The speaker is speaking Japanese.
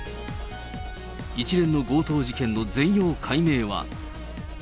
一連の強盗事件の全容解明は。